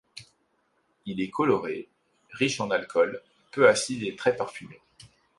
Il est coloré, riche en alcool, peu acide et très parfumé.